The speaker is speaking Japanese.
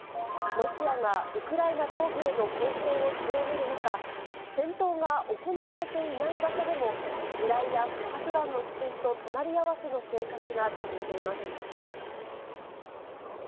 ロシアがウクライナ東部への攻勢を強める中、戦闘が行われていない場所でも、地雷や不発弾の危険と隣り合わせの生活が続いています。